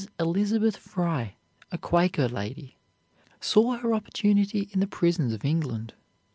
Elizabeth Fry, a Quaker lady, saw her opportunity in the prisons of England.